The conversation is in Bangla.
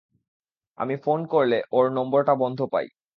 আমি ফোন করলে ওর নম্বরটা বন্ধ পাই।